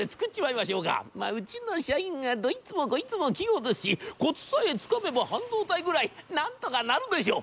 まあうちの社員がどいつもこいつも器用ですしコツさえつかめば半導体ぐらいなんとかなるでしょう』。